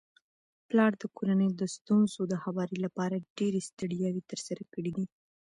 پلار د کورنيو د ستونزو د هواري لپاره ډيري ستړياوي تر سره کړي دي